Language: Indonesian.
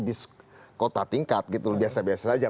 pusat tingkat gitu biasa biasa aja